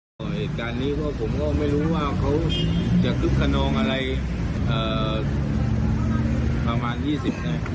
เหตุการณ์นี้ก็ผมก็ไม่รู้ว่าเขาจะคึกคณองอะไรเอ่อประมาณยี่สิบน่ะ